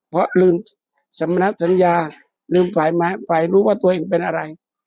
เพราะลืมสำนักสัญญาลืมฝ่ายรู้ว่าตัวเองเป็นอะไร